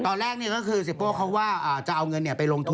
ตอนแรกก็คือเสียโป้เขาว่าจะเอาเงินไปลงทุน